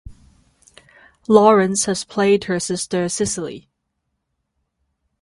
Lawrence has played her sister Cecily.